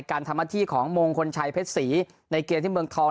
การทำอาธิของมงคนชายเพชรสีในเกณฑ์ที่เมืองทอง